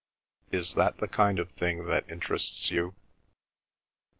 "Is that the kind of thing that interests you?"